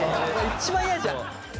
一番嫌じゃん！